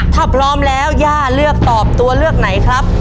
ถ้าพร้อมแล้วย่าเลือกตอบตัวเลือกไหนครับ